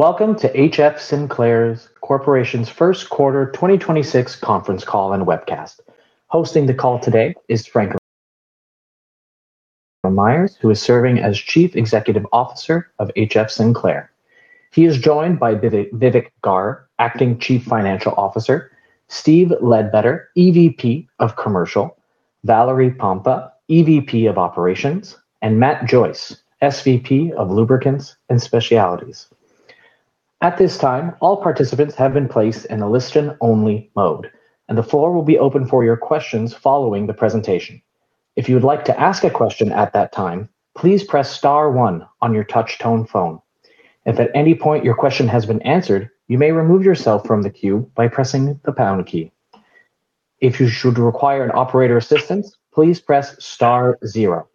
Welcome to HF Sinclair Corporation's First Quarter 2026 Conference Call and Webcast. Hosting the call today is Franklin Myers, who is serving as Chief Executive Officer of HF Sinclair. He is joined by Vivek Garg, Acting Chief Financial Officer, Steven Ledbetter, EVP of Commercial, Valerie Pompa, EVP of Operations, and Matt Joyce, SVP of Lubricants and Specialties. At this time, all participants have been placed in a listen-only mode, and the floor will be open for your questions following the presentation. If you would like to ask a question at that time, please press star one on your touch tone phone. If at any point your question has been answered, you may remove yourself from the queue by pressing the pound key. If you should require an operator assistance, please press star zero.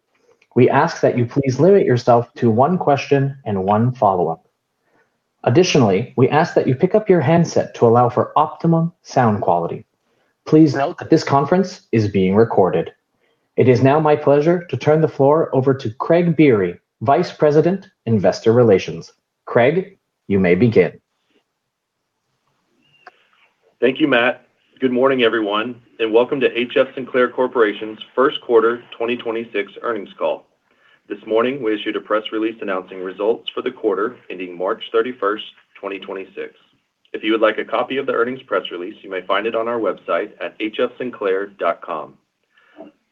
We ask that you please limit yourself to one question and one follow-up. Additionally, we ask that you pick up your handset to allow for optimum sound quality. Please note that this conference is being recorded. It is now my pleasure to turn the floor over to Craig Biery, Vice President, Investor Relations. Craig, you may begin. Thank you, Matt. Good morning everyone welcome to HF Sinclair Corporation's first quarter 2026 earnings call. This morning, we issued a press release announcing results for the quarter ending March 31st, 2026. If you would like a copy of the earnings press release, you may find it on our website at hfsinclair.com.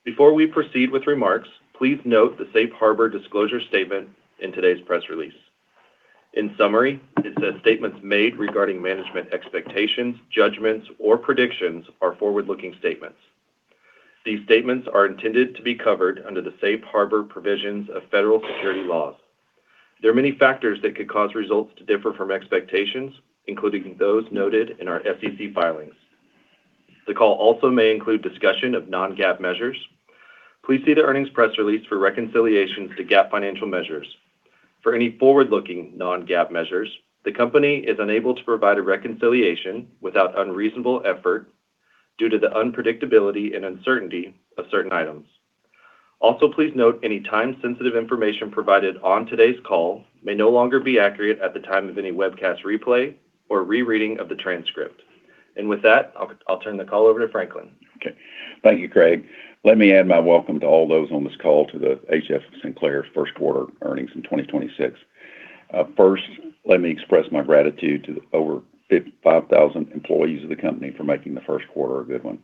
Before we proceed with remarks, please note the Safe Harbor disclosure statement in today's press release. In summary, it says statements made regarding management expectations, judgments, or predictions are forward-looking statements. These statements are intended to be covered under the Safe Harbor provisions of federal security laws. There are many factors that could cause results to differ from expectations, including those noted in our SEC filings. The call also may include discussion of non-GAAP measures. Please see the earnings press release for reconciliations to GAAP financial measures. For any forward-looking non-GAAP measures, the company is unable to provide a reconciliation without unreasonable effort due to the unpredictability and uncertainty of certain items. Please note any time-sensitive information provided on today's call may no longer be accurate at the time of any webcast replay or rereading of the transcript. With that, I'll turn the call over to Franklin. Okay. Thank you, Craig. Let me add my welcome to all those on this call to the HF Sinclair first quarter earnings in 2026. First, let me express my gratitude to the over 55,000 employees of the company for making the first quarter a good one.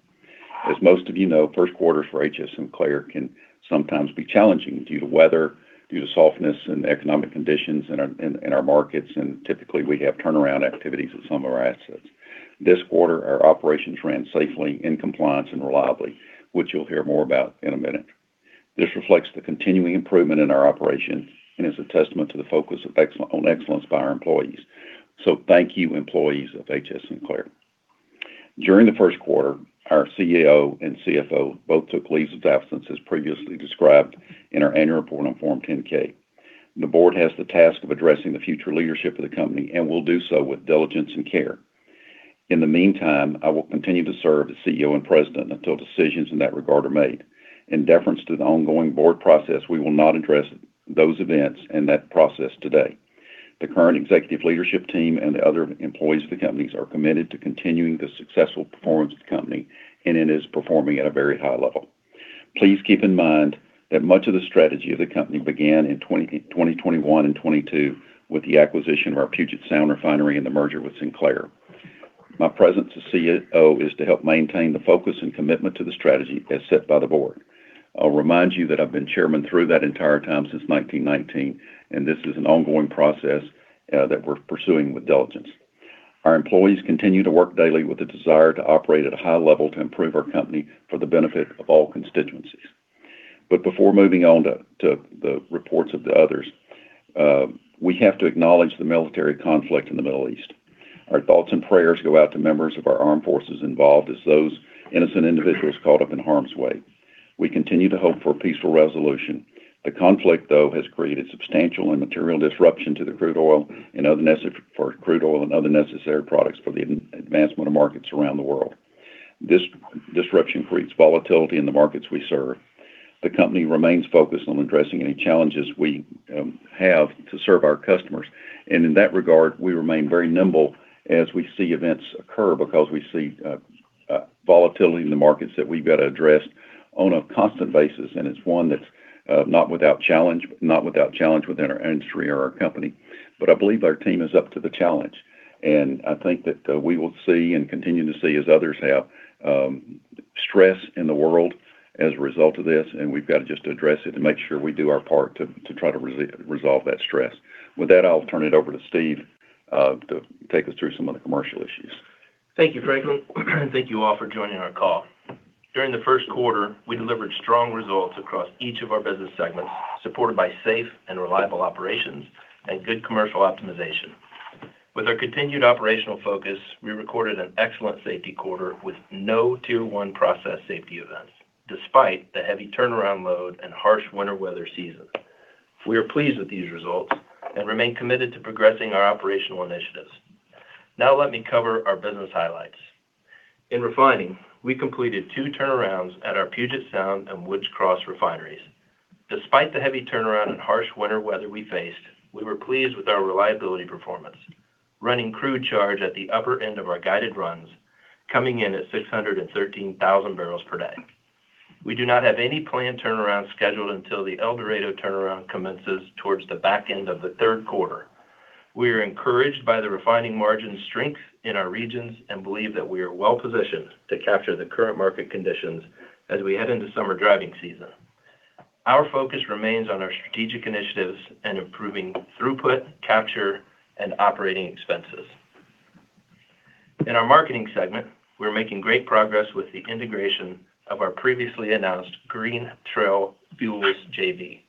As most of you know, first quarters for HF Sinclair can sometimes be challenging due to weather, due to softness in economic conditions in our markets, and typically, we have turnaround activities at some of our assets. This quarter, our operations ran safely in compliance and reliably, which you'll hear more about in a minute. This reflects the continuing improvement in our operations and is a testament to the focus on excellence by our employees. Thank you, employees of HF Sinclair. During the first quarter, our CEO and CFO both took leaves of absence as previously described in our annual report on Form 10-K. The board has the task of addressing the future leadership of the company and will do so with diligence and care. In the meantime, I will continue to serve as CEO and president until decisions in that regard are made. In deference to the ongoing board process, we will not address those events and that process today. The current executive leadership team and the other employees of the companies are committed to continuing the successful performance of the company, and it is performing at a very high level. Please keep in mind that much of the strategy of the company began in 2020, 2021 and 2022 with the acquisition of our Puget Sound Refinery and the merger with Sinclair. My presence as CEO is to help maintain the focus and commitment to the strategy as set by the board. I'll remind you that I've been chairman through that entire time since 1919, and this is an ongoing process that we're pursuing with diligence. Our employees continue to work daily with a desire to operate at a high level to improve our company for the benefit of all constituencies. Before moving on to the reports of the others, we have to acknowledge the military conflict in the Middle East. Our thoughts and prayers go out to members of our armed forces involved as those innocent individuals caught up in harm's way. We continue to hope for a peaceful resolution. The conflict, though, has created substantial and material disruption to the crude oil and other necessary products for the advancement of markets around the world. This disruption creates volatility in the markets we serve. The company remains focused on addressing any challenges we have to serve our customers. In that regard, we remain very nimble as we see events occur because we see volatility in the markets that we've got to address on a constant basis. It's one that's not without challenge, not without challenge within our industry or our company. I believe our team is up to the challenge. I think that we will see and continue to see as others have, stress in the world as a result of this. We've got to just address it to make sure we do our part to try to resolve that stress. With that, I'll turn it over to Steve to take us through some of the commercial issues. Thank you, Franklin. Thank you all for joining our call. During the first quarter, we delivered strong results across each of our business segments, supported by safe and reliable operations and good commercial optimization. With our continued operational focus, we recorded an excellent safety quarter with no tier 1 process safety events, despite the heavy turnaround load and harsh winter weather season. We are pleased with these results and remain committed to progressing our operational initiatives. Let me cover our business highlights. In refining, we completed two turnarounds at our Puget Sound and Woods Cross refineries. Despite the heavy turnaround and harsh winter weather we faced, we were pleased with our reliability performance, running crude charge at the upper end of our guided runs, coming in at 613,000 barrels per day. We do not have any planned turnaround scheduled until the El Dorado turnaround commences towards the back end of the third quarter. We are encouraged by the refining margin strength in our regions and believe that we are well-positioned to capture the current market conditions as we head into summer driving season. Our focus remains on our strategic initiatives and improving throughput, capture, and operating expenses. In our marketing segment, we're making great progress with the integration of our previously announced Green Trail Fuels JV.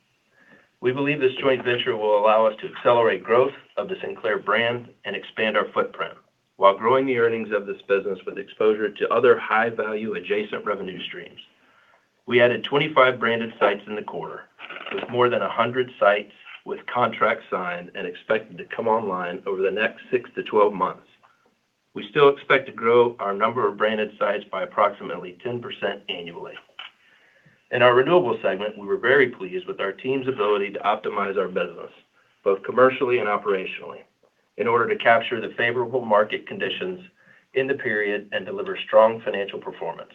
We believe this joint venture will allow us to accelerate growth of the Sinclair brand and expand our footprint while growing the earnings of this business with exposure to other high-value adjacent revenue streams. We added 25 branded sites in the quarter, with more than 100 sites with contracts signed and expected to come online over the next six to 12 months. We still expect to grow our number of branded sites by approximately 10% annually. In our renewables segment, we were very pleased with our team's ability to optimize our business, both commercially and operationally, in order to capture the favorable market conditions in the period and deliver strong financial performance.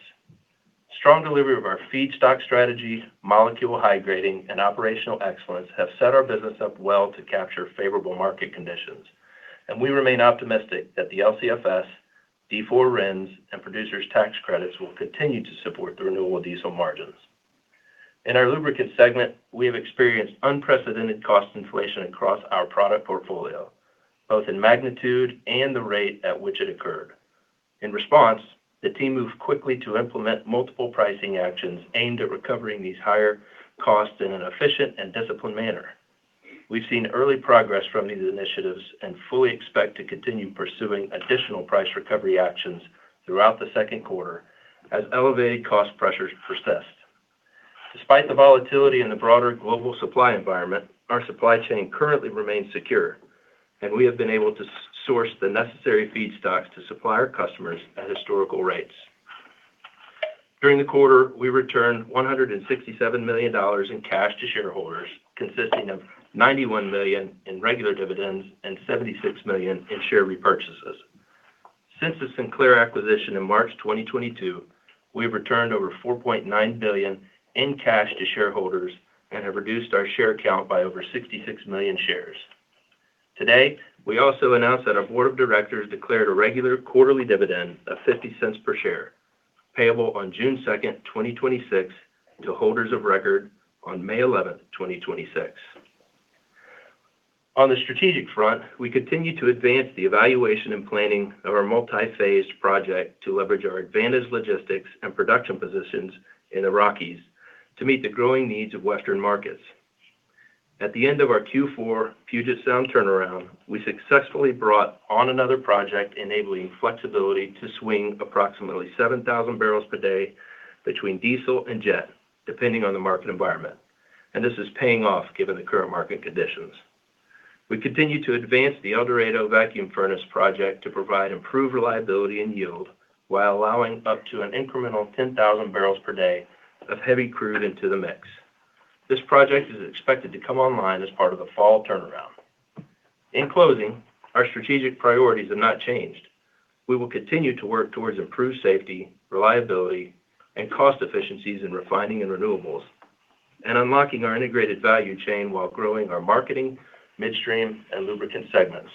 Strong delivery of our feedstock strategy, molecule high grading, and operational excellence have set our business up well to capture favorable market conditions. We remain optimistic that the LCFS, D4 RINs, and producers' tax credits will continue to support the renewable diesel margins. In our lubricants segment, we have experienced unprecedented cost inflation across our product portfolio, both in magnitude and the rate at which it occurred. In response, the team moved quickly to implement multiple pricing actions aimed at recovering these higher costs in an efficient and disciplined manner. We've seen early progress from these initiatives and fully expect to continue pursuing additional price recovery actions throughout the second quarter as elevated cost pressures persist. Despite the volatility in the broader global supply environment, our supply chain currently remains secure. We have been able to source the necessary feedstocks to supply our customers at historical rates. During the quarter, we returned $167 million in cash to shareholders, consisting of $91 million in regular dividends and $76 million in share repurchases. Since the Sinclair acquisition in March 2022, we have returned over $4.9 billion in cash to shareholders and have reduced our share count by over 66 million shares. Today, we also announced that our board of directors declared a regular quarterly dividend of $0.50 per share, payable on June 2nd, 2026 to holders of record on May 11th, 2026. On the strategic front, we continue to advance the evaluation and planning of our multi-phased project to leverage our advantage, logistics, and production positions in the Rockies to meet the growing needs of Western markets. At the end of our Q4 PSR turnaround, we successfully brought on another project enabling flexibility to swing approximately 7,000 barrels per day between diesel and jet, depending on the market environment. This is paying off given the current market conditions. We continue to advance the El Dorado vacuum distillation project to provide improved reliability and yield while allowing up to an incremental 10,000 barrels per day of heavy crude into the mix. This project is expected to come online as part of the fall turnaround. In closing, our strategic priorities have not changed. We will continue to work towards improved safety, reliability, and cost efficiencies in refining and renewables and unlocking our integrated value chain while growing our marketing, midstream, and lubricant segments.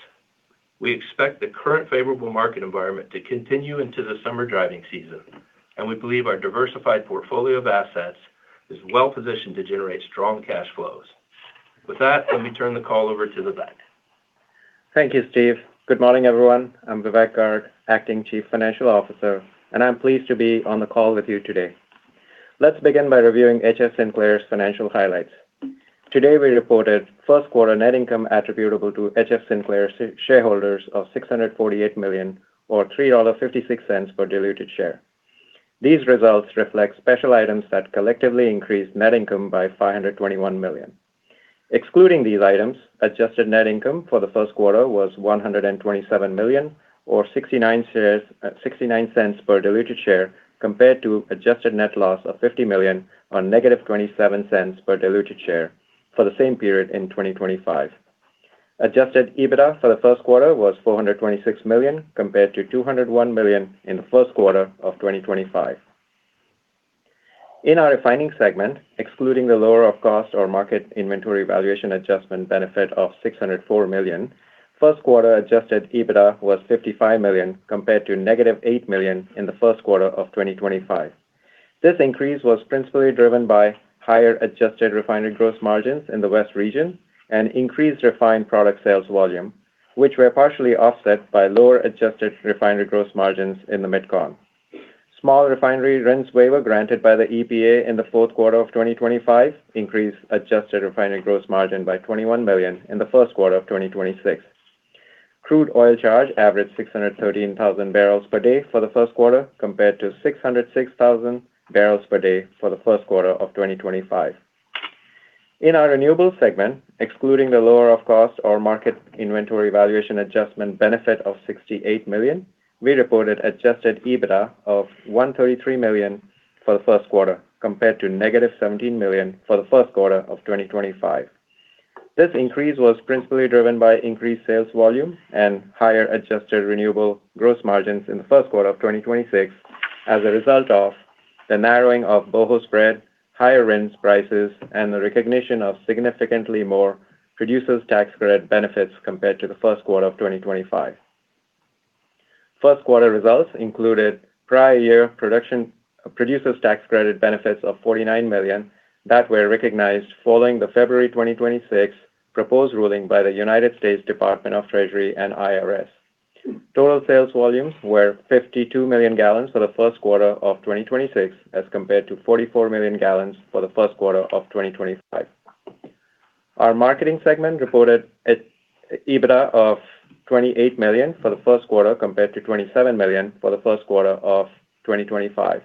We expect the current favorable market environment to continue into the summer driving season, and we believe our diversified portfolio of assets is well-positioned to generate strong cash flows. With that, let me turn the call over to Vivek. Thank you, Steve. Good morning everyone. I'm Vivek Garg, Acting Chief Financial Officer, and I'm pleased to be on the call with you today. Let's begin by reviewing HF Sinclair's financial highlights. Today, we reported first quarter net income attributable to HF Sinclair shareholders of $648 million or $3.56 per diluted share. These results reflect special items that collectively increased net income by $521 million. Excluding these items, adjusted net income for the first quarter was $127 million or $0.69 per diluted share compared to adjusted net loss of $50 million on -$0.27 per diluted share for the same period in 2025. Adjusted EBITDA for the first quarter was $426 million compared to $201 million in the first quarter of 2025. In our refining segment, excluding the lower of cost or market inventory valuation adjustment benefit of $604 million, first quarter Adjusted EBITDA was $55 million compared to -$8 million in the first quarter of 2025. This increase was principally driven by higher adjusted refinery gross margins in the West region and increased refined product sales volume, which were partially offset by lower adjusted refinery gross margins in the MidCon. Small refinery RINs waiver granted by the EPA in the fourth quarter of 2025 increased adjusted refinery gross margin by $21 million in the first quarter of 2026. Crude oil charge averaged 613,000 barrels per day for the first quarter compared to 606,000 barrels per day for the first quarter of 2025. In our renewables segment, excluding the lower of cost or market inventory valuation adjustment benefit of $68 million, we reported Adjusted EBITDA of $133 million for the first quarter compared to negative $17 million for the first quarter of 2025. This increase was principally driven by increased sales volume and higher adjusted renewable gross margins in the first quarter of 2026 as a result of the narrowing of BOHO spread, higher RINs prices, and the recognition of significantly more producers tax credit benefits compared to the first quarter of 2025. First quarter results included prior year production tax credit benefits of $49 million that were recognized following the February 2026 proposed ruling by the United States Department of the Treasury and IRS. Total sales volumes were 52 million gallons for the first quarter of 2026 as compared to 44 million gallons for the first quarter of 2025. Our Marketing segment reported an EBITDA of $28 million for the first quarter compared to $27 million for the first quarter of 2025.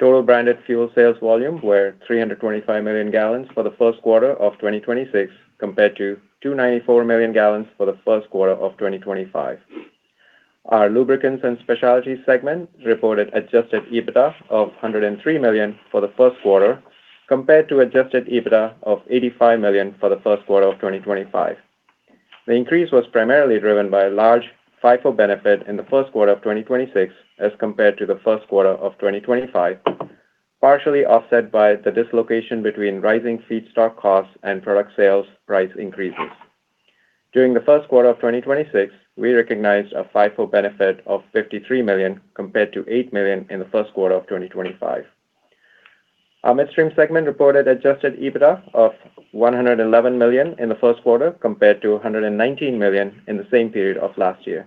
Total branded fuel sales volume were 325 million gallons for the first quarter of 2026 compared to 294 million gallons for the first quarter of 2025. Our Lubricants and Specialties segment reported Adjusted EBITDA of $103 million for the first quarter compared to Adjusted EBITDA of $85 million for the first quarter of 2025. The increase was primarily driven by a large FIFO benefit in the first quarter of 2026 as compared to the first quarter of 2025, partially offset by the dislocation between rising feedstock costs and product sales price increases. During the first quarter of 2026, we recognized a FIFO benefit of $53 million compared to $8 million in the first quarter of 2025. Our midstream segment reported Adjusted EBITDA of $111 million in the first quarter compared to $119 million in the same period of last year.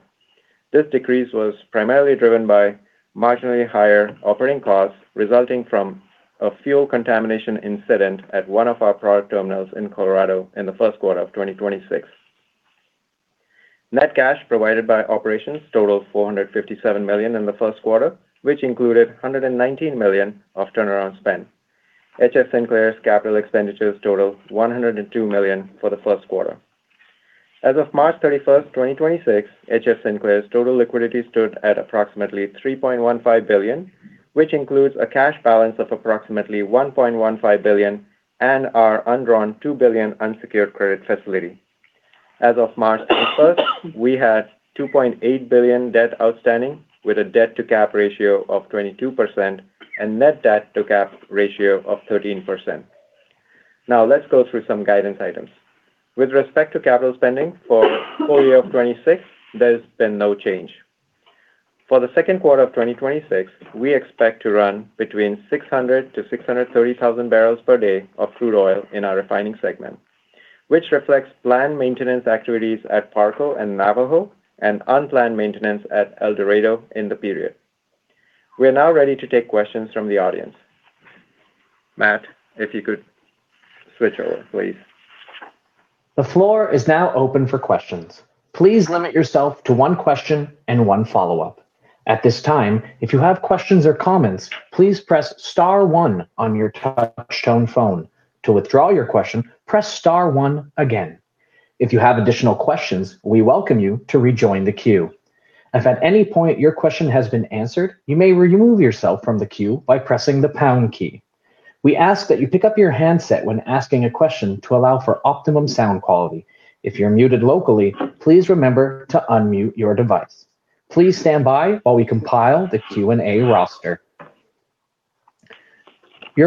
This decrease was primarily driven by marginally higher operating costs resulting from a fuel contamination incident at one of our product terminals in Colorado in the first quarter of 2026. Net cash provided by operations totaled $457 million in the first quarter, which included $119 million of turnaround spend. HF Sinclair's capital expenditures totaled $102 million for the first quarter. As of March 31st, 2026, HF Sinclair's total liquidity stood at approximately $3.15 billion, which includes a cash balance of approximately $1.15 billion and our undrawn $2 billion unsecured credit facility. As of March 31st, we had $2.8 billion debt outstanding with a debt-to-cap ratio of 22% and net debt-to-cap ratio of 13%. Now let's go through some guidance items. With respect to capital spending for the full year of 2026, there's been no change. For the second quarter of 2026, we expect to run between 600,000 to 630,000 barrels per day of crude oil in our refining segment, which reflects planned maintenance activities at Parco and Navajo and unplanned maintenance at El Dorado in the period. We are now ready to take questions from the audience. Matt, if you could switch over, please. Your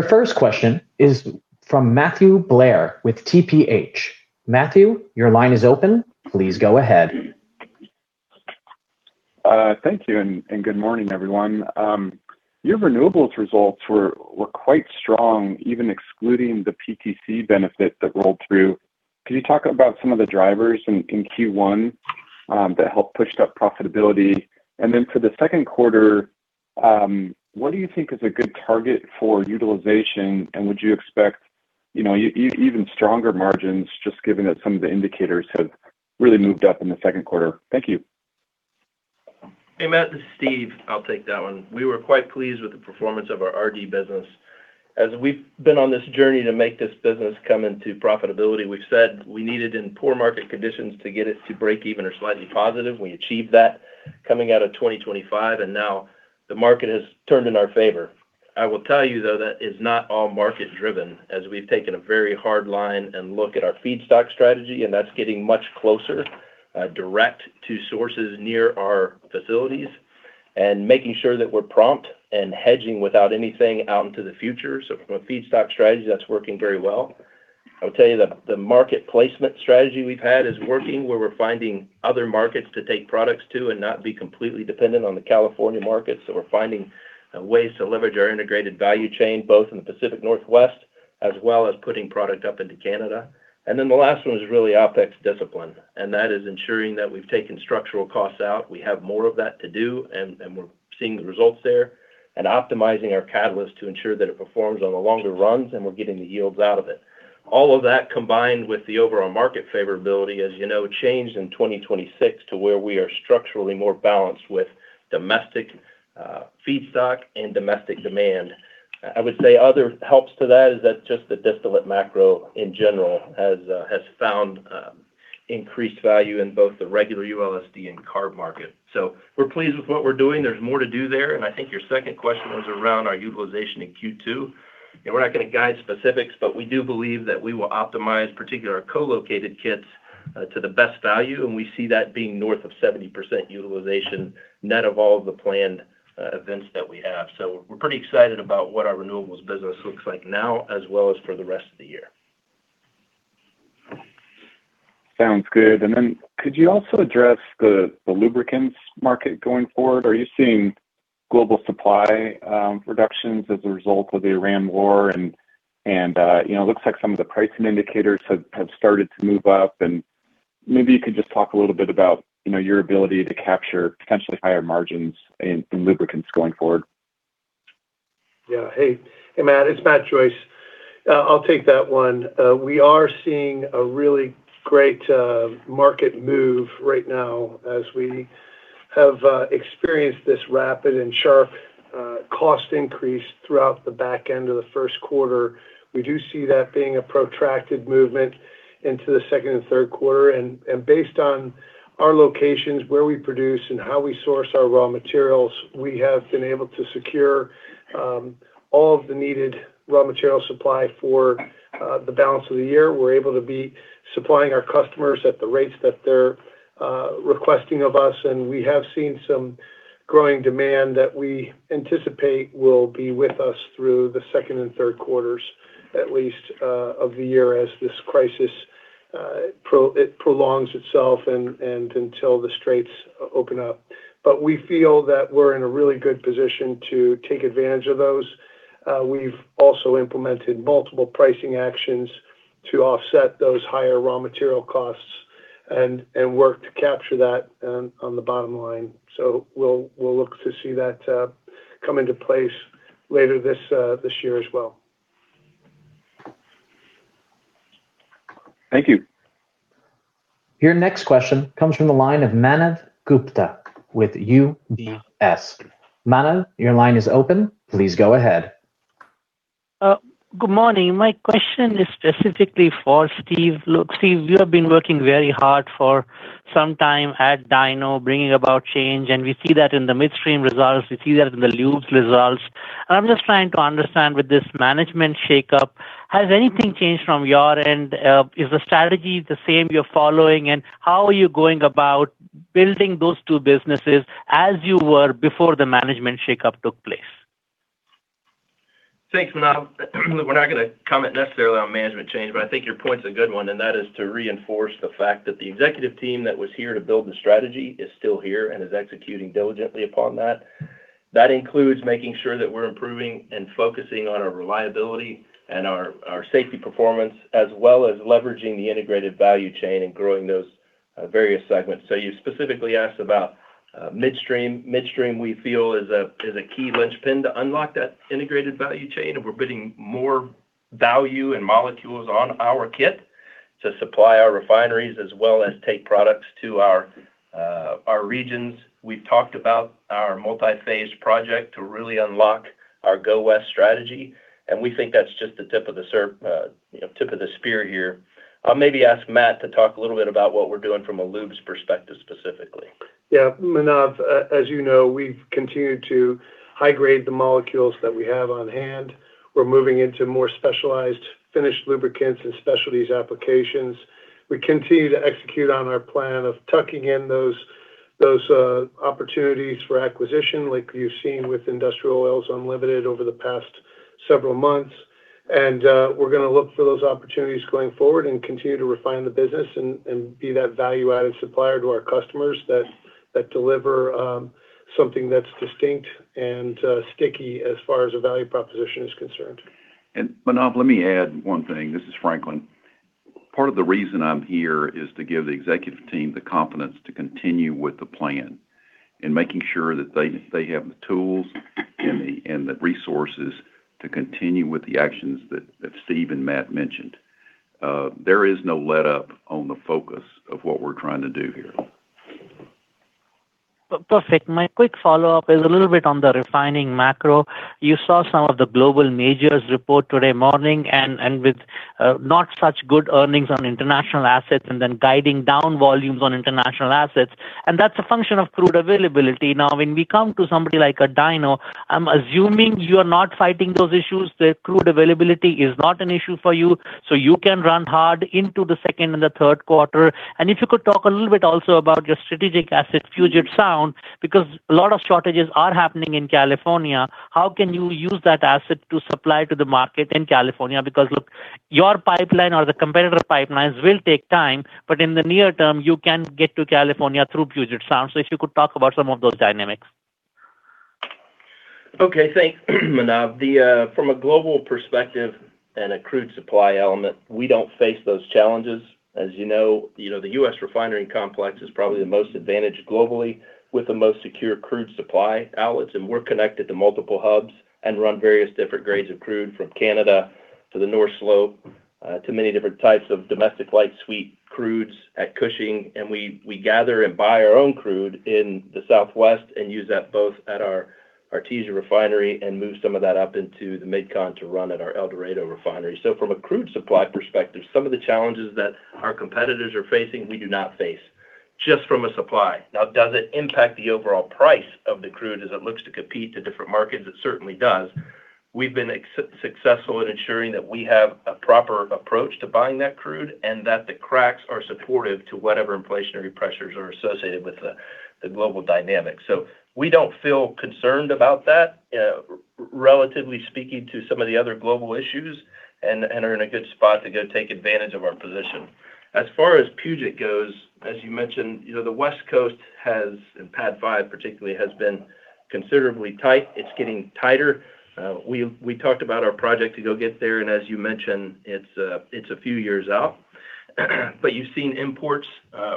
first question is from Matthew Blair with TPH. Matthew, your line is open. Please go ahead. Thank you and good morning everyone. Your renewables results were quite strong, even excluding the PTC benefit that rolled through. Could you talk about some of the drivers in Q1 that helped pushed up profitability? Then for the second quarter, what do you think is a good target for utilization, and would you expect, you know, even stronger margins just given that some of the indicators have really moved up in the second quarter? Thank you. Hey Matt, this is Steve. I'll take that one. We were quite pleased with the performance of our RD business. As we've been on this journey to make this business come into profitability, we've said we need it in poor market conditions to get it to break even or slightly positive. We achieved that coming out of 2025, now the market has turned in our favor. I will tell you, though, that is not all market-driven, as we've taken a very hard line and look at our feedstock strategy, that's getting much closer direct to sources near our facilities and making sure that we're prompt and hedging without anything out into the future. From a feedstock strategy, that's working very well. I'll tell you the market placement strategy we've had is working, where we're finding other markets to take products to and not be completely dependent on the California market. We're finding ways to leverage our integrated value chain, both in the Pacific Northwest as well as putting product up into Canada. The last one is really OpEx discipline, and that is ensuring that we've taken structural costs out. We have more of that to do, and we're seeing the results there. Optimizing our catalyst to ensure that it performs on the longer runs, and we're getting the yields out of it. All of that combined with the overall market favorability, as you know, changed in 2026 to where we are structurally more balanced with domestic Feedstock and domestic demand. I would say other helps to that is that just the distillate macro in general has found increased value in both the regular ULSD and CARB market. We're pleased with what we're doing. There's more to do there. I think your second question was around our utilization in Q2. We're not gonna guide specifics, but we do believe that we will optimize particular co-located kits to the best value, and we see that being north of 70% utilization net of all the planned events that we have. We're pretty excited about what our renewables business looks like now as well as for the rest of the year. Sounds good. Could you also address the lubricants market going forward? Are you seeing global supply reductions as a result of the Iran war? You know, looks like some of the pricing indicators have started to move up, and maybe you could just talk a little bit about, you know, your ability to capture potentially higher margins in lubricants going forward. Yeah. Hey. Hey, Matt, it's Matt Joyce. I'll take that one. We are seeing a really great market move right now as we have experienced this rapid and sharp cost increase throughout the back end of the first quarter. We do see that being a protracted movement into the second and third quarter. Based on our locations where we produce and how we source our raw materials, we have been able to secure all of the needed raw material supply for the balance of the year. We're able to be supplying our customers at the rates that they're requesting of us, and we have seen some growing demand that we anticipate will be with us through the second and third quarters at least of the year as this crisis prolongs itself and until the straits open up. We feel that we're in a really good position to take advantage of those. We've also implemented multiple pricing actions to offset those higher raw material costs and work to capture that on the bottom line. We'll look to see that come into place later this year as well. Thank you. Your next question comes from the line of Manav Gupta with UBS. Manav, your line is open. Please go ahead. Good morning. My question is specifically for Steven Ledbetter. Steve, you have been working very hard for some time at DINO, bringing about change, and we see that in the midstream results, we see that in the lube's results. I'm just trying to understand with this management shakeup, has anything changed from your end? Is the strategy the same you're following? How are you going about building those two businesses as you were before the management shakeup took place? Thanks, Manav. We're not going to comment necessarily on management change, but I think your point is a good one, and that is to reinforce the fact that the executive team that was here to build the strategy is still here and is executing diligently upon that. That includes making sure that we're improving and focusing on our reliability and our safety performance, as well as leveraging the integrated value chain and growing those various segments. You specifically asked about midstream. Midstream, we feel, is a key linchpin to unlock that integrated value chain, and we're putting more value and molecules on our kit to supply our refineries as well as take products to our regions. We've talked about our multi-phase project to really unlock our Go West strategy. We think that's just the tip of the, you know, tip of the spear here. I'll maybe ask Matt to talk a little bit about what we're doing from a lubes perspective specifically. Yeah, Manav, as you know, we've continued to high grade the molecules that we have on hand. We're moving into more specialized finished lubricants and specialties applications. We continue to execute on our plan of tucking in those opportunities for acquisition like you've seen with Industrial Oils Unlimited over the past several months. We're gonna look for those opportunities going forward and continue to refine the business and be that value-added supplier to our customers that deliver something that's distinct and sticky as far as a value proposition is concerned. Manav, let me add one thing. This is Franklin. Part of the reason I'm here is to give the executive team the confidence to continue with the plan and making sure that they have the tools and the resources to continue with the actions that Steve and Matt mentioned. There is no letup on the focus of what we're trying to do here. Perfect. My quick follow-up is a little bit on the refining macro. You saw some of the global majors report today morning and with not such good earnings on international assets and then guiding down volumes on international assets. That's a function of crude availability. When we come to somebody like a DINO, I'm assuming you are not fighting those issues. The crude availability is not an issue for you, so you can run hard into the second and the third quarter. If you could talk a little bit also about your strategic asset, Puget Sound, because a lot of shortages are happening in California. How can you use that asset to supply to the market in California? Look, your pipeline or the competitor pipelines will take time, but in the near term, you can get to California through Puget Sound. If you could talk about some of those dynamics. Okay, thanks, Manav. The from a global perspective and a crude supply element, we don't face those challenges. As you know, you know, the U.S. refinery complex is probably the most advantaged globally with the most secure crude supply outlets, and we're connected to multiple hubs and run various different grades of crude from Canada to the North Slope, to many different types of domestic light sweet crudes at Cushing. We gather and buy our own crude in the Southwest and use that both at our Artesia refinery and move some of that up into the MidCon to run at our El Dorado refinery. From a crude supply perspective, some of the challenges that our competitors are facing, we do not face. Just from a supply. Does it impact the overall price of the crude as it looks to compete to different markets? It certainly does. We've been successful in ensuring that we have a proper approach to buying that crude and that the cracks are supportive to whatever inflationary pressures are associated with the global dynamics. We don't feel concerned about that, relatively speaking to some of the other global issues and are in a good spot to go take advantage of our position. As far as Puget goes, as you mentioned, you know, the West Coast has, and PADD 5 particularly, has been considerably tight. It's getting tighter. We, we talked about our project to go get there, and as you mentioned, it's a few years out. You've seen imports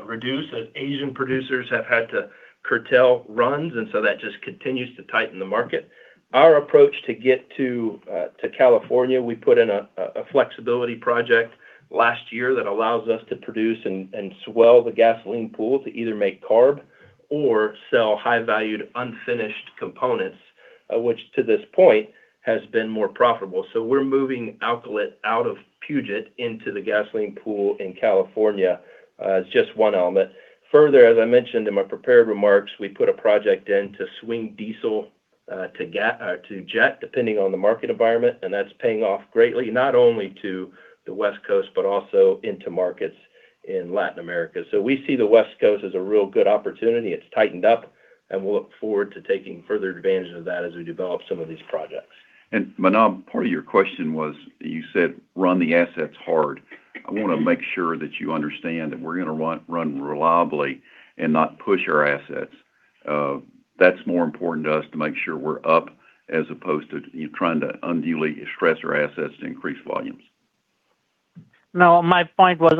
reduce as Asian producers have had to curtail runs, and so that just continues to tighten the market. Our approach to get to California, we put in a flexibility project last year that allows us to produce and swell the gasoline pool to either make CARB or sell high-valued unfinished components, which to this point has been more profitable. We're moving alkylate out of Puget into the gasoline pool in California as just one element. Further, as I mentioned in my prepared remarks, we put a project in to swing diesel to jet depending on the market environment, and that's paying off greatly, not only to the West Coast, but also into markets in Latin America. We see the West Coast as a real good opportunity. It's tightened up, and we look forward to taking further advantage of that as we develop some of these projects. Manav, part of your question was you said run the assets hard. I wanna make sure that you understand that we're gonna run reliably and not push our assets. That's more important to us to make sure we're up as opposed to you trying to unduly stress our assets to increase volumes. No, my point was.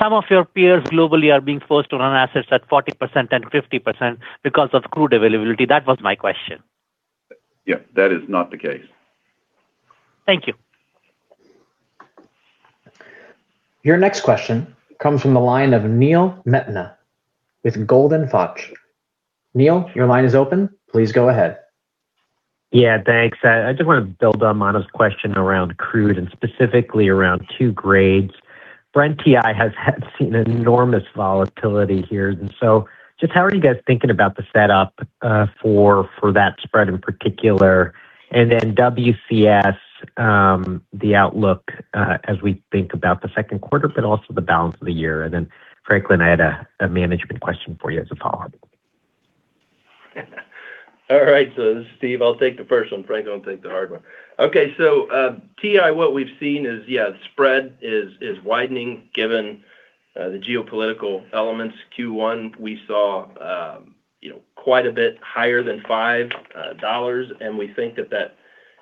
Some of your peers globally are being forced to run assets at 40% and 50% because of crude availability. That was my question. Yeah, that is not the case. Thank you. Your next question comes from the line of Neil Mehta with Goldman Sachs. Neil, your line is open. Please go ahead. Yeah, thanks. I just want to build on Manav's question around crude and specifically around two grades. Brent/WTI has seen enormous volatility here, just how are you guys thinking about the setup for that spread in particular? WCS, the outlook, as we think about the second quarter, but also the balance of the year. Franklin, I had a management question for you as a follow-up. All right. This is Steve. I'll take the first one. Franklin will take the hard one. Okay. TI, what we've seen is, yeah, the spread is widening given the geopolitical elements. Q1, we saw, you know, quite a bit higher than $5, we think that that,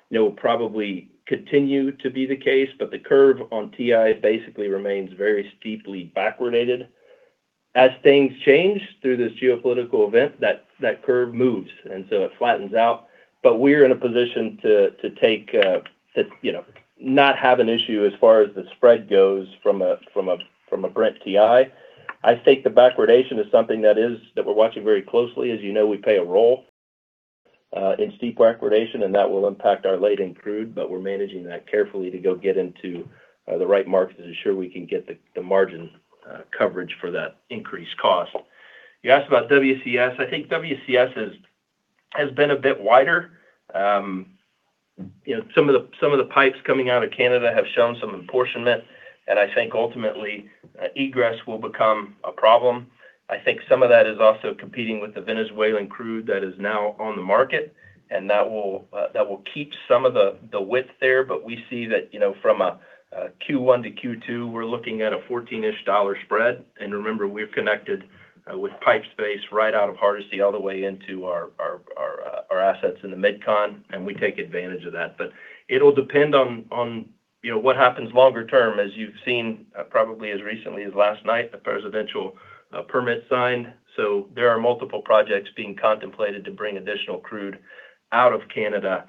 you know, will probably continue to be the case. The curve on TI basically remains very steeply backwardated. As things change through this geopolitical event, that curve moves, it flattens out. We're in a position to take, to, you know, not have an issue as far as the spread goes from a Brent/WTI. I think the backwardation is something that we're watching very closely. As you know, we pay a role in steep backwardation, and that will impact our laid-in crude, but we're managing that carefully to go get into the right markets to ensure we can get the margin coverage for that increased cost. You asked about WCS. I think WCS has been a bit wider. You know, some of the pipes coming out of Canada have shown some apportionment, and I think ultimately egress will become a problem. I think some of that is also competing with the Venezuelan crude that is now on the market, and that will keep some of the width there. We see that, you know, from a Q1 to Q2, we're looking at a 14-ish dollar spread. Remember, we're connected with pipe space right out of Hardisty all the way into our assets in the MidCon, and we take advantage of that. It'll depend on, you know, what happens longer term. As you've seen, probably as recently as last night, a presidential permit signed, there are multiple projects being contemplated to bring additional crude out of Canada,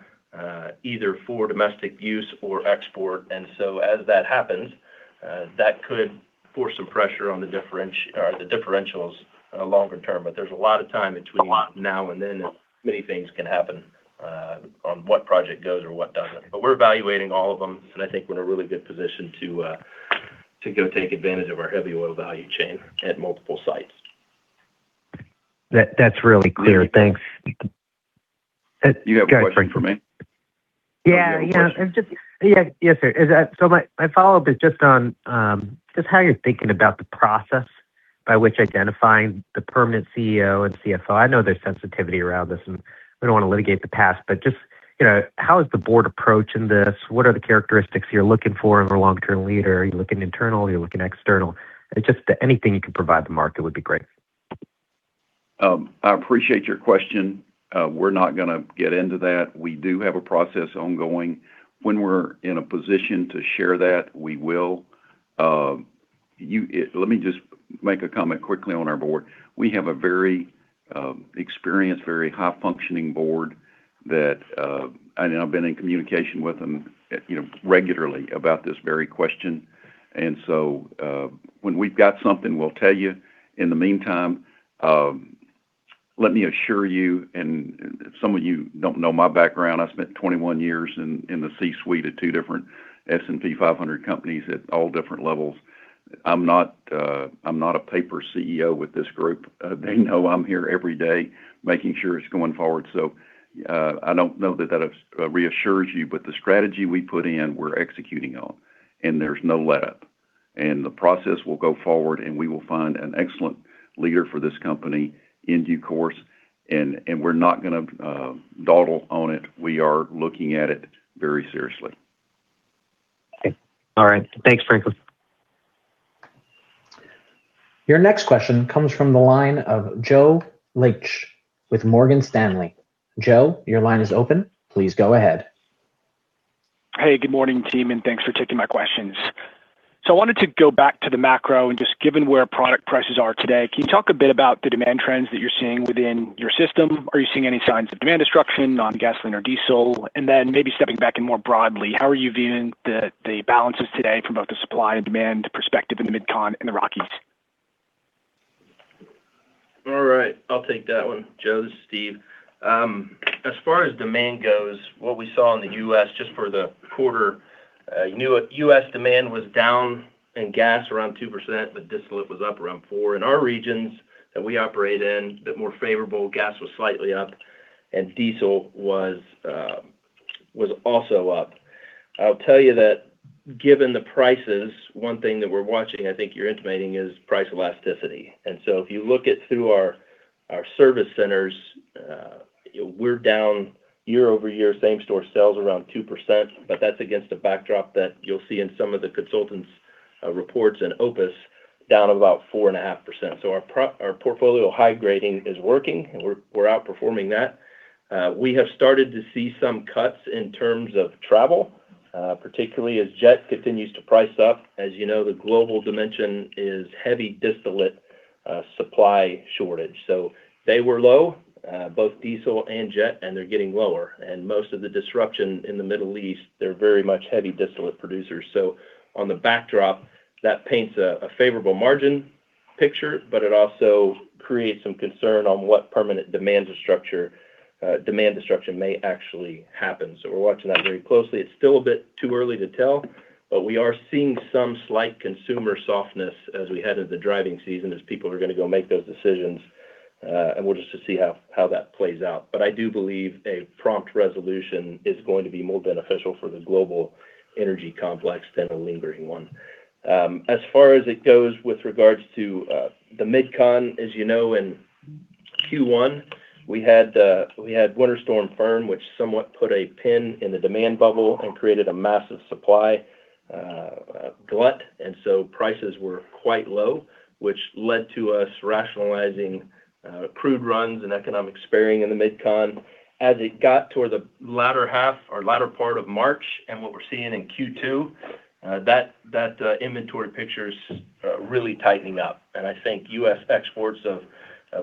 either for domestic use or export. As that happens, that could force some pressure on the differentials longer term. There's a lot of time between now and then, and many things can happen on what project goes or what doesn't. We're evaluating all of them, and I think we're in a really good position to go take advantage of our heavy oil value chain at multiple sites. That's really clear. Thanks. You got a question for me? Yeah. Yeah. It's just. You have a question? Yeah. Yes, sir. My, my follow-up is just on just how you're thinking about the process by which identifying the permanent CEO and CFO. I know there's sensitivity around this, and we don't wanna litigate the past, but just, you know, how is the board approaching this? What are the characteristics you're looking for in a long-term leader? Are you looking internal? Are you looking external? Just anything you can provide the market would be great. I appreciate your question. We're not gonna get into that. We do have a process ongoing. When we're in a position to share that, we will. Let me just make a comment quickly on our board. We have a very experienced, very high-functioning board that, and I've been in communication with them, you know, regularly about this very question. When we've got something, we'll tell you. In the meantime, let me assure you, and some of you don't know my background, I spent 21 years in the C-suite at two different S&P 500 companies at all different levels. I'm not, I'm not a paper CEO with this group. They know I'm here every day making sure it's going forward. I don't know that that reassures you, but the strategy we put in, we're executing on, and there's no letup. The process will go forward, and we will find an excellent leader for this company in due course. We're not gonna dawdle on it. We are looking at it very seriously. Okay. All right. Thanks, Franklin. Your next question comes from the line of Joe Laetsch with Morgan Stanley. Joe, your line is open. Please go ahead. Hey, good morning team and thanks for taking my questions. I wanted to go back to the macro, and just given where product prices are today, can you talk a bit about the demand trends that you're seeing within your system? Are you seeing any signs of demand destruction on gasoline or diesel? Maybe stepping back and more broadly, how are you viewing the balances today from both the supply and demand perspective in the MidCon and the Rockies? I'll take that one. Joe, this is Steve. As far as demand goes, what we saw in the U.S. just for the quarter, you know what, U.S. demand was down in gas around 2%, but distillate was up around four. In our regions that we operate in, a bit more favorable, gas was slightly up and diesel was also up. I'll tell you that given the prices, one thing that we're watching, I think you're intimating, is price elasticity. If you look at through our service centers, we're down year-over-year same store sales around 2%, but that's against a backdrop that you'll see in some of the consultants' reports in OPIS down about 4.5%. Our portfolio high grading is working. We're outperforming that. We have started to see some cuts in terms of travel, particularly as jet continues to price up. As you know, the global dimension is heavy distillate supply shortage. They were low, both diesel and jet, and they're getting lower. Most of the disruption in the Middle East, they're very much heavy distillate producers. On the backdrop, that paints a favorable margin picture, but it also creates some concern on what permanent demand destruction may actually happen. We're watching that very closely. It's still a bit too early to tell, but we are seeing some slight consumer softness as we head into the driving season as people are gonna go make those decisions. And we'll just to see how that plays out. I do believe a prompt resolution is going to be more beneficial for the global energy complex than a lingering one. As far as it goes with regards to the MidCon, as you know, in Q1, we had Winter Storm Fern, which somewhat put a pin in the demand bubble and created a massive supply glut. Prices were quite low, which led to us rationalizing crude runs and economic sparing in the MidCon. As it got toward the latter half or latter part of March and what we're seeing in Q2, that inventory picture's really tightening up. I think U.S. exports of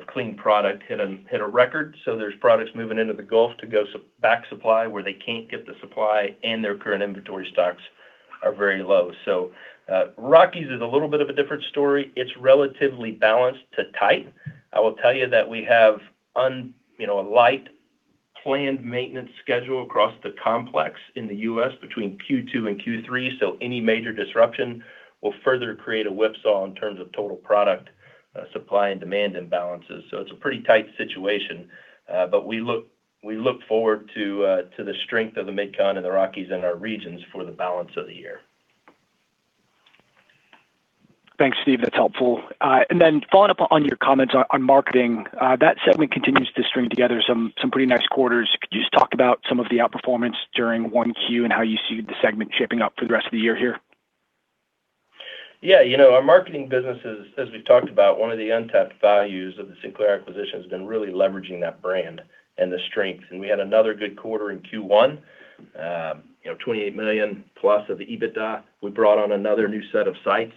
clean product hit a record. There's products moving into the Gulf to go back supply where they can't get the supply and their current inventory stocks are very low. Rockies is a little bit of a different story. It's relatively balanced to tight. I will tell you that we have you know, a light planned maintenance schedule across the complex in the U.S. between Q2 and Q3, so any major disruption will further create a whipsaw in terms of total product supply and demand imbalances. It's a pretty tight situation, but we look forward to the strength of the MidCon and the Rockies and our regions for the balance of the year. Thanks, Steve. That's helpful. Following up on your comments on marketing, that segment continues to string together some pretty nice quarters. Could you just talk about some of the outperformance during 1Q and how you see the segment shaping up for the rest of the year here? Yeah. You know, our marketing business is, as we've talked about, one of the untapped values of the Sinclair acquisition has been really leveraging that brand and the strength. We had another good quarter in Q1. You know, $28 million+ of the EBITDA. We brought on another new set of sites.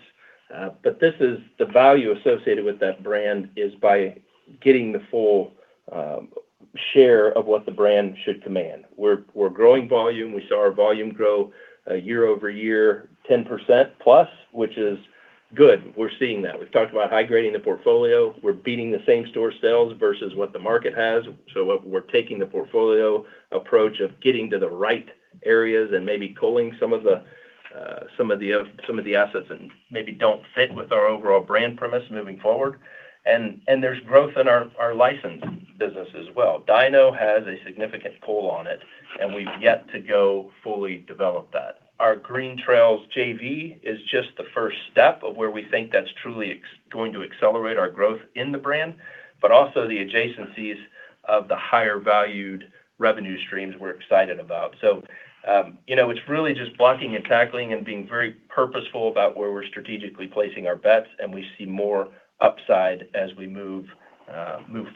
This is the value associated with that brand is by getting the full share of what the brand should command. We're growing volume. We saw our volume grow year-over-year 10%+, which is good. We're seeing that. We've talked about high grading the portfolio. We're beating the same store sales versus what the market has. We're taking the portfolio approach of getting to the right areas and maybe culling some of the assets that maybe don't fit with our overall brand premise moving forward. There's growth in our license business as well. DINO has a significant pull on it, and we've yet to go fully develop that. Our Green Trail JV is just the first step of where we think that's truly going to accelerate our growth in the brand, but also the adjacencies of the higher valued revenue streams we're excited about. You know, it's really just blocking and tackling and being very purposeful about where we're strategically placing our bets, and we see more upside as we move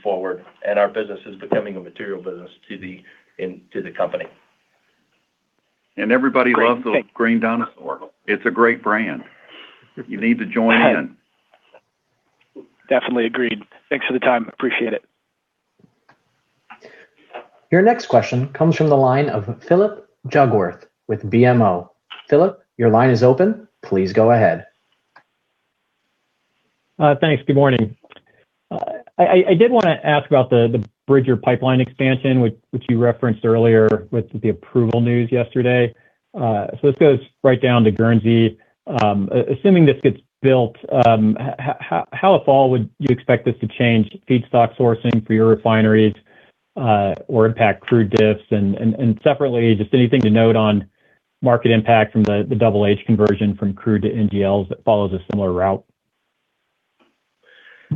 forward, and our business is becoming a material business to the company. Everybody loves the green dinosaur. It's a great brand. You need to join in. Definitely agreed. Thanks for the time. Appreciate it. Your next question comes from the line of Phillip Jungwirth with BMO. Phillip, your line is open. Please go ahead. Thanks. Good morning. I did want to ask about the Bridger Pipeline expansion, which you referenced earlier with the approval news yesterday. This goes right down to Guernsey. Assuming this gets built, how far would you expect this to change feedstock sourcing for your refineries or impact crude diffs? Separately, just anything to note on market impact from the Double H conversion from crude to NGLs that follows a similar route?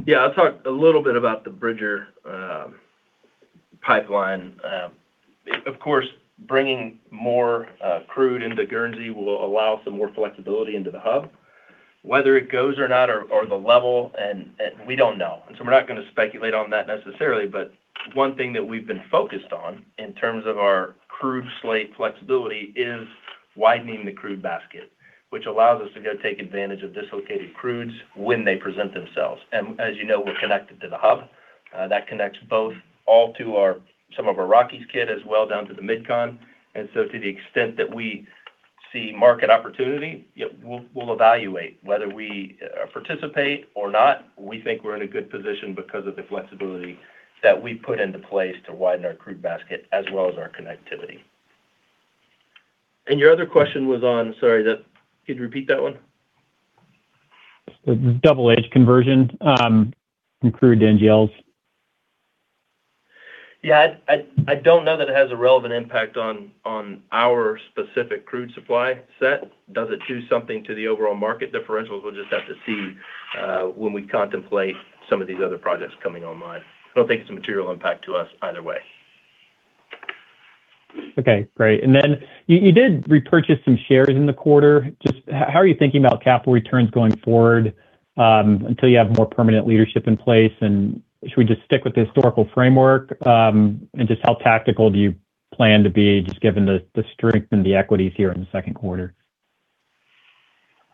Yeah, I'll talk a little bit about the Bridger Pipeline. Of course, bringing more crude into Guernsey will allow some more flexibility into the hub. Whether it goes or not or the level and we don't know. We're not gonna speculate on that necessarily, but one thing that we've been focused on in terms of our crude slate flexibility is widening the crude basket, which allows us to go take advantage of dislocated crudes when they present themselves. As you know, we're connected to the hub that connects some of our Rockies kit as well down to the MidCon. To the extent that we see market opportunity, yeah, we'll evaluate. Whether we participate or not, we think we're in a good position because of the flexibility that we put into place to widen our crude basket as well as our connectivity. Your other question was on? Sorry, could you repeat that one? The Double H conversion, from crude to NGLs. Yeah. I don't know that it has a relevant impact on our specific crude supply set. Does it do something to the overall market differentials? We'll just have to see when we contemplate some of these other projects coming online. I don't think it's a material impact to us either way. Okay, great. Then you did repurchase some shares in the quarter. Just how are you thinking about capital returns going forward, until you have more permanent leadership in place and should we just stick with the historical framework? Just how tactical do you plan to be just given the strength in the equities here in the second quarter?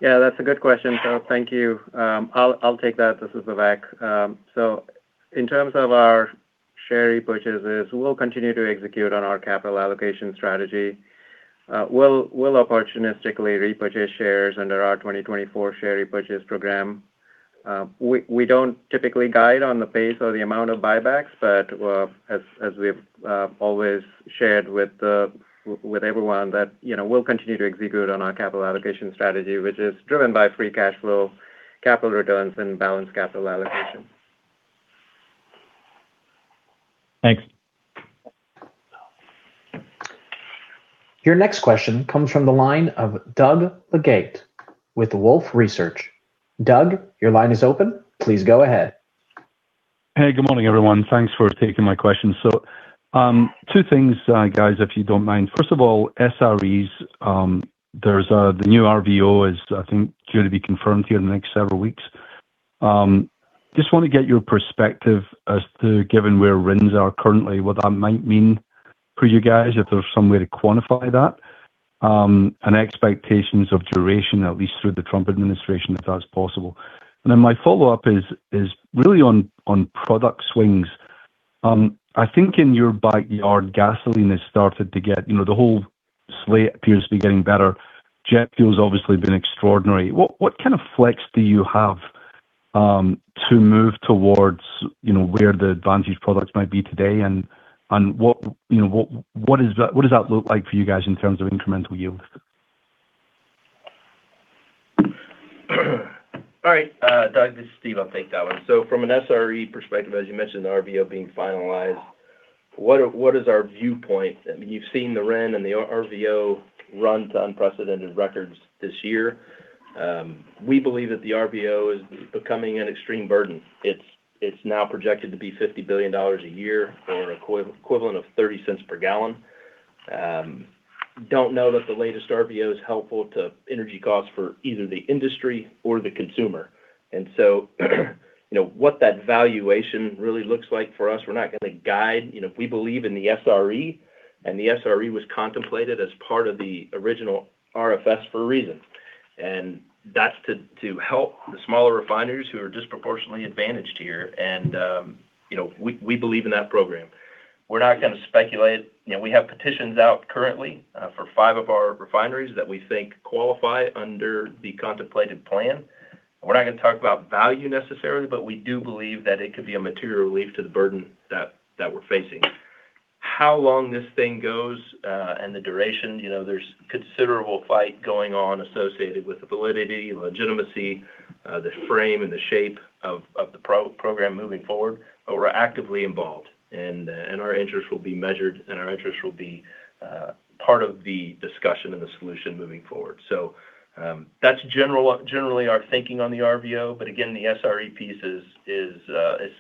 Yeah, that's a good question, Phil. Thank you. I'll take that. This is Vivek. In terms of our share repurchases, we'll continue to execute on our capital allocation strategy. We'll opportunistically repurchase shares under our 2024 share repurchase program. We don't typically guide on the pace or the amount of buybacks, but as we've always shared with everyone that, you know, we'll continue to execute on our capital allocation strategy, which is driven by free cash flow, capital returns, and balanced capital allocation. Thanks. Your next question comes from the line of Doug Leggate with Wolfe Research. Doug, your line is open. Please go ahead. Hey, good morning everyone. Thanks for taking my question. Two things, guys, if you don't mind. First of all, SREs, there's the new RVO is, I think, gonna be confirmed here in the next several weeks. Just wanna get your perspective as to, given where RINs are currently, what that might mean for you guys, if there's some way to quantify that, and expectations of duration, at least through the Trump administration, if that's possible. My follow-up is really on product swings. I think in your backyard, gasoline has started to get, you know, the whole slate appears to be getting better. Jet fuel's obviously been extraordinary. What kind of flex do you have to move towards, you know, where the advantage products might be today? What, you know, what does that look like for you guys in terms of incremental yield? All right, Doug, this is Steve. I'll take that one. From an SRE perspective, as you mentioned, the RVO being finalized, what are, what is our viewpoint? I mean, you've seen the RIN and the RVO run to unprecedented records this year. We believe that the RVO is becoming an extreme burden. It's now projected to be $50 billion a year or equivalent of $0.30 per gallon. Don't know that the latest RVO is helpful to energy costs for either the industry or the consumer. You know, what that valuation really looks like for us, we're not gonna guide. You know, we believe in the SRE, the SRE was contemplated as part of the original RFS for a reason. That's to help the smaller refineries who are disproportionately advantaged here. You know, we believe in that program. We're not gonna speculate. You know, we have petitions out currently for five of our refineries that we think qualify under the contemplated plan. We're not gonna talk about value necessarily, but we do believe that it could be a material relief to the burden that we're facing. How long this thing goes and the duration, you know, there's considerable fight going on associated with the validity, legitimacy, the frame and the shape of the program moving forward, but we're actively involved. Our interest will be measured, and our interest will be part of the discussion and the solution moving forward. That's generally our thinking on the RVO. Again, the SRE piece is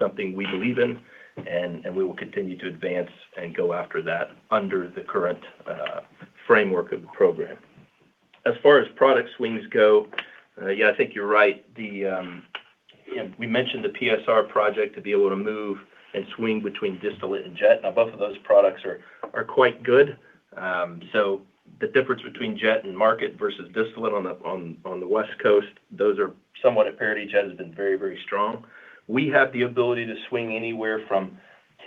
something we believe in, and we will continue to advance and go after that under the current framework of the program. As far as product swings go, yeah, I think you're right. You know, we mentioned the PSR project to be able to move and swing between distillate and jet. Both of those products are quite good. The difference between jet and market versus distillate on the West Coast, those are somewhat at parity. Jet has been very strong. We have the ability to swing anywhere from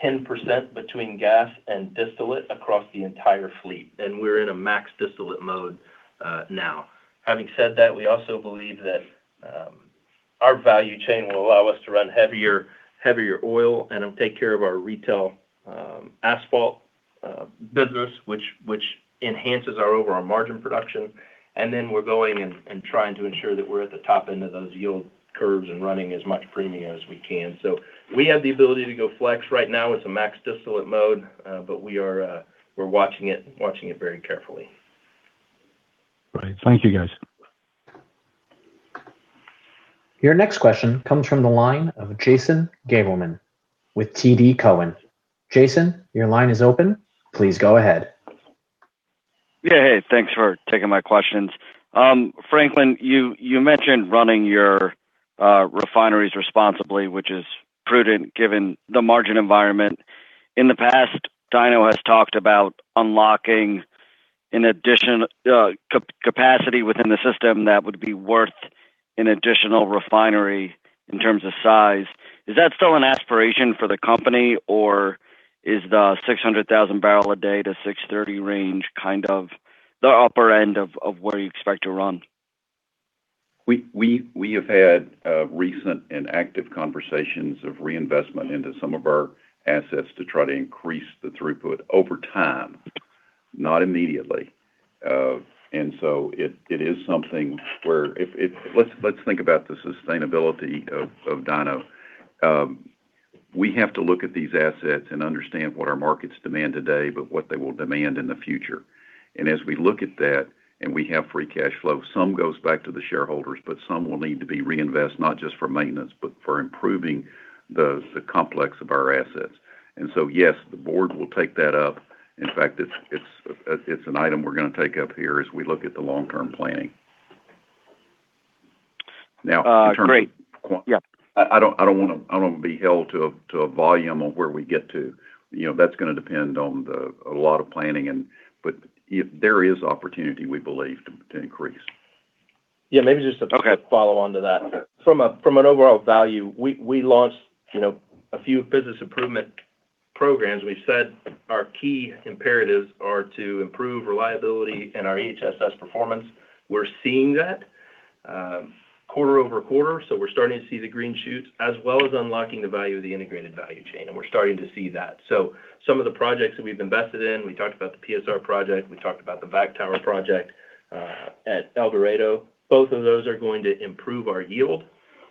10% between gas and distillate across the entire fleet, and we're in a max distillate mode now. Having said that, we also believe that our value chain will allow us to run heavier oil and it'll take care of our retail asphalt business, which enhances our overall margin production. We're going and trying to ensure that we're at the top end of those yield curves and running as much premium as we can. We have the ability to go flex. Right now it's a max distillate mode, but we are watching it very carefully. Right. Thank you, guys. Your next question comes from the line of Jason Gabelman with TD Cowen. Jason, your line is open. Please go ahead. Yeah. Hey, thanks for taking my questions. Franklin, you mentioned running your refineries responsibly, which is prudent given the margin environment. In the past, DINO has talked about unlocking capacity within the system that would be worth an additional refinery in terms of size. Is that still an aspiration for the company, or is the 600,000 barrel a day to 630 range kind of the upper end of where you expect to run? We have had recent and active conversations of reinvestment into some of our assets to try to increase the throughput over time, not immediately. It, it is something where Let's think about the sustainability of DINO. We have to look at these assets and understand what our markets demand today, but what they will demand in the future. As we look at that, and we have free cash flow, some goes back to the shareholders, but some will need to be reinvest, not just for maintenance, but for improving the complex of our assets. Yes, the board will take that up. In fact, it's an item we're gonna take up here as we look at the long-term planning. Great. Yeah I don't wanna be held to a volume of where we get to. You know, that's gonna depend on a lot of planning. There is opportunity, we believe, to increase. Yeah, maybe just. Okay. Quick follow-on to that. Okay. From an overall value, we launched, you know, a few business improvement programs. We've said our key imperatives are to improve reliability and our EHSS performance. We're seeing that quarter-over-quarter, so we're starting to see the green shoots, as well as unlocking the value of the integrated value chain, and we're starting to see that. Some of the projects that we've invested in, we talked about the PSR project, we talked about the Vac Tower project at El Dorado. Both of those are going to improve our yield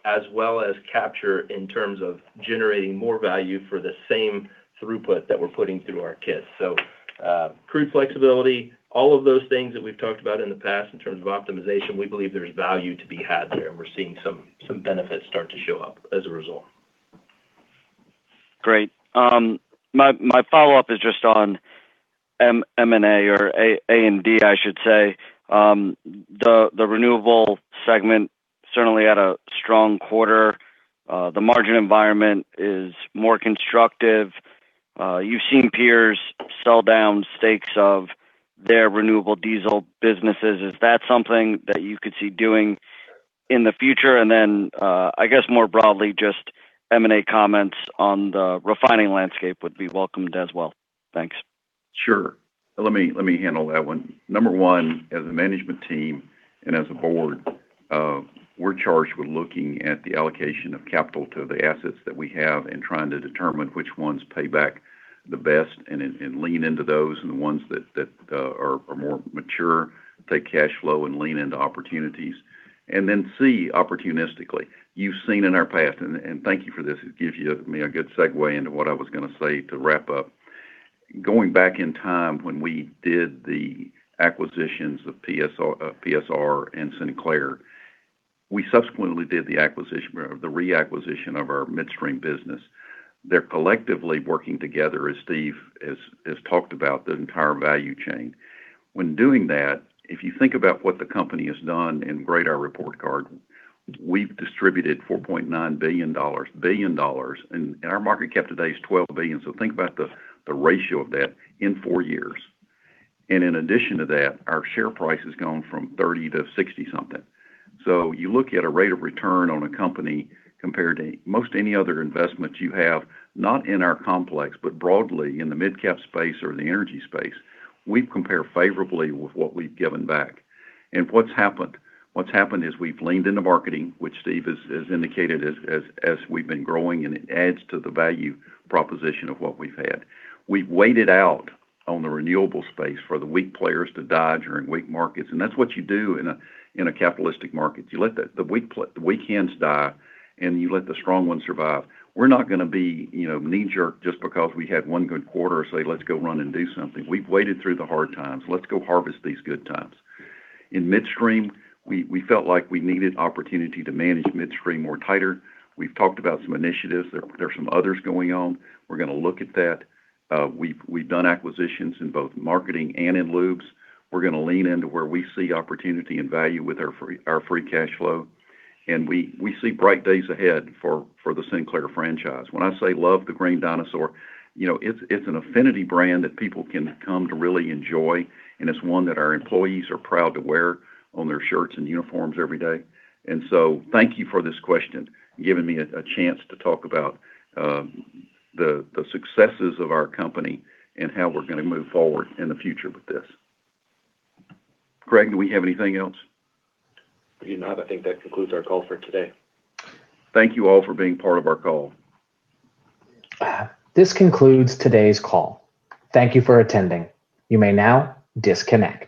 as well as capture in terms of generating more value for the same throughput that we're putting through our KIS. Crude flexibility, all of those things that we've talked about in the past in terms of optimization, we believe there's value to be had there, and we're seeing some benefits start to show up as a result. Great. My, my follow-up is just on M&A or A&D, I should say. The renewable segment certainly had a strong quarter. The margin environment is more constructive. You've seen peers sell down stakes of their renewable diesel businesses. Is that something that you could see doing in the future? Then, I guess more broadly, just M&A comments on the refining landscape would be welcomed as well. Thanks. Sure. Let me handle that one. Number one, as a management team and as a board, we're charged with looking at the allocation of capital to the assets that we have and trying to determine which ones pay back the best and lean into those and the ones that are more mature, take cash flow and lean into opportunities. Then C, opportunistically. You've seen in our past, and thank you for this, it gives me a good segue into what I was gonna say to wrap up. Going back in time when we did the acquisitions of PSR and Sinclair, we subsequently did the reacquisition of our midstream business. They're collectively working together, as Steve has talked about, the entire value chain. When doing that, if you think about what the company has done and grade our report card, we've distributed $4.9 billion, and our market cap today is $12 billion, so think about the ratio of that in four years. In addition to that, our share price has gone from 30 to 60 something. You look at a rate of return on a company compared to most any other investment you have, not in our complex, but broadly in the midcap space or the energy space, we compare favorably with what we've given back. What's happened? What's happened is we've leaned into marketing, which Steve has indicated as we've been growing, and it adds to the value proposition of what we've had. We've waited out on the renewable space for the weak players to die during weak markets, that's what you do in a capitalistic market. You let the weak hands die, you let the strong ones survive. We're not gonna be, you know, knee-jerk just because we had one good quarter and say, "Let's go run and do something." We've waited through the hard times. Let's go harvest these good times. In midstream, we felt like we needed opportunity to manage midstream more tighter. We've talked about some initiatives. There's some others going on. We're gonna look at that. We've done acquisitions in both marketing and in lubes. We're gonna lean into where we see opportunity and value with our free cash flow. We see bright days ahead for the Sinclair franchise. When I say love the green dinosaur, you know, it's an affinity brand that people can come to really enjoy, and it's one that our employees are proud to wear on their shirts and uniforms every day. Thank you for this question, giving me a chance to talk about the successes of our company and how we're gonna move forward in the future with this. Craig, do we have anything else? We do not. I think that concludes our call for today. Thank you all for being part of our call. This concludes today's call. Thank you for attending. You may now disconnect.